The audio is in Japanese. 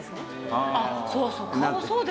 あっそうそう。